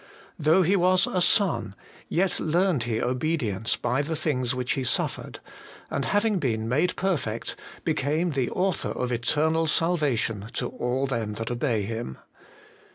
' Though He was a Son, yet learned He obedience by the things which He suffered, and having been made perfect, became the Author of eternal salva tion to all them that obey Him.'